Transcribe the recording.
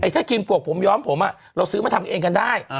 ถ้าครีมปวกผมย้อมผมเราซื้อมาทำเองกันได้